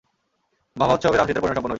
মহামহোৎসবে রাম-সীতার পরিণয় সম্পন্ন হইল।